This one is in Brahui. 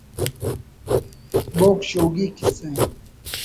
بوگ شوگی کسہ